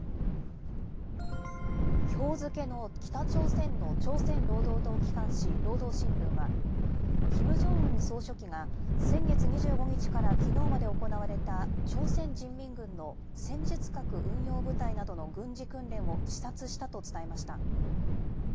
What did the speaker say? きょう付けの北朝鮮の朝鮮労働党機関紙、労働新聞は、キム・ジョンウン総書記が、先月２５日からきのうまで行われた朝鮮人民軍の戦術核運用部隊などの軍事訓練を視察したと伝えました。